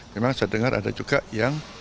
memang saya dengar ada juga yang